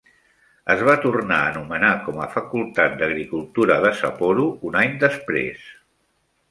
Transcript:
Es va tornar anomenar com a Facultat d'Agricultura de Sapporo un any després.